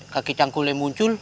kakek canggulnya muncul